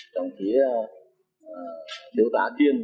đồng chí điếu tá tiên